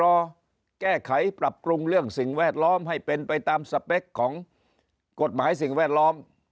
รอแก้ไขปรับปรุงเรื่องสิ่งแวดล้อมให้เป็นไปตามสเปคของกฎหมายสิ่งแวดล้อม